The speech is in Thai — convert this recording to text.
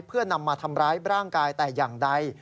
เพื่อนำมาทำร้ายร่างกายแต่อย่างใด